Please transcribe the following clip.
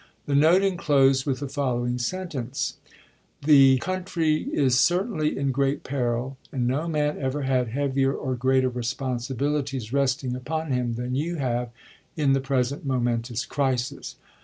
The note closed with the following sentence :" The country is certainly in great peril, and no man ever had heavier or greater responsibilities resting upon him than you have in the present momentous crisis."